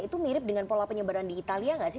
itu mirip dengan pola penyebaran di italia nggak sih